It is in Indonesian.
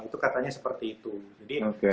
itu katanya seperti itu jadi